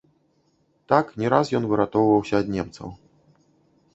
Так не раз ён выратоўваўся ад немцаў.